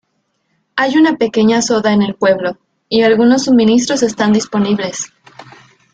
Hay una pequeña soda en el pueblo y algunos suministros están disponibles.